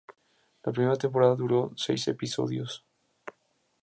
La primera temporada duró seis episodios.